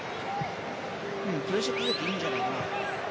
プレッシャーかけていいんじゃないかな。